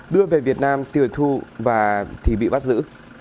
đưa về việt nam tiểu thu và thì bị bắt giữ